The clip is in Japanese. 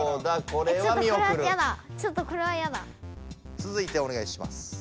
続いておねがいします。